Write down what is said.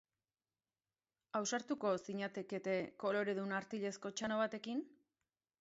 Ausartuko zinatekete koloredun artilezko txano batekin?